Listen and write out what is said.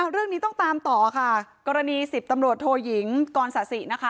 เรื่องนี้ต้องตามต่อค่ะกรณี๑๐ตำรวจโทยิงกรศาสินะคะ